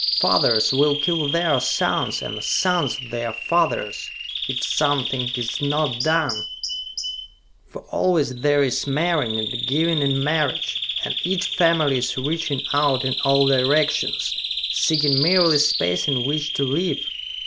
Fathers will kill their sons, and sons their fathers, if something is not done! For always there is marrying and giving in marriage, and each family is reaching out in all directions, seeking merely space in which to live.